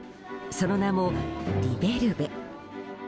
その名もリベルベ。